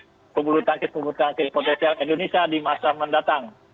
di pulpulutanggis pulpulutanggis potensial indonesia di masa mendatang